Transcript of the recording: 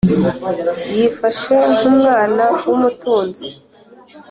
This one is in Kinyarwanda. Yifashe nkumwana w’umutunzi